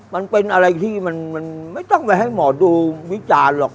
มันเป็นอะไรที่มันไม่ต้องไปให้หมอดูวิจารณ์หรอก